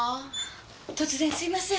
突然すみません。